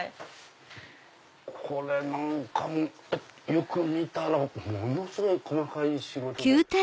これなんかもよく見たらものすごい細かい仕事で。